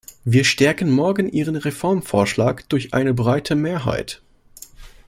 Wir stärken morgen Ihren Reformvorschlag durch eine breite Mehrheit.